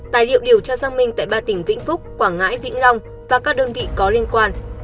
tài liệu điều tra xác minh tại ba tỉnh vĩnh phúc quảng ngãi vĩnh long và các đơn vị có liên quan